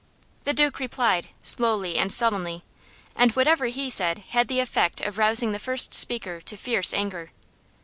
The Duke replied, slowly and sullenly, and whatever he said had the effect of rousing the first speaker to fierce anger.